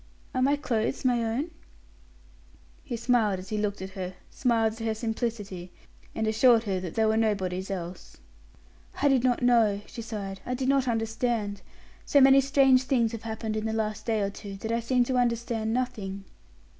"Are my clothes my own?" He smiled as he looked at her; smiled at her simplicity, and assured her that they were nobody's else. "I did not know," she sighed; "I did not understand. So many strange things have happened in the last day or two, that I seem to understand nothing."